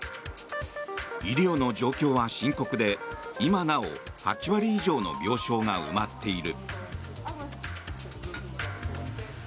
医療の状況は深刻で今なお８割以上の病床が埋まっている。